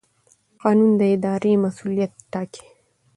قانون د ادارې مسوولیت ټاکي.